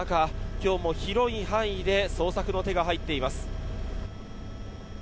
今日も広い範囲で捜索の手が入っています。